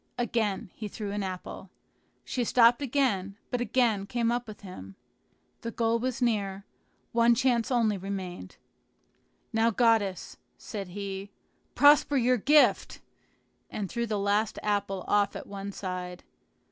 Again he threw an apple. She stopped again, but again came up with him. The goal was near; one chance only remained. "Now, goddess," said he, "prosper your gift!" and threw the last apple off at one side.